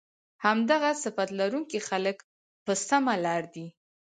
همدغه صفت لرونکي خلک په سمه لار دي